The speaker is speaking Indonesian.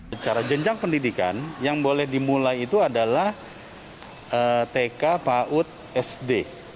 secara jenjang pendidikan yang boleh dimulai itu adalah tk paud sd